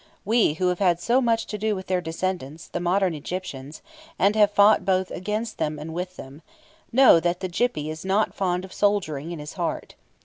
We, who have had so much to do with their descendants, the modern Egyptians, and have fought both against them and with them, know that the "Gippy" is not fond of soldiering in his heart.